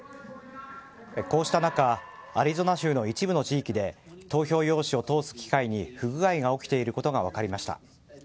こうした中アリゾナ州の一部の地域で投票用紙を通す機械に不具合が起きていることが分かりました。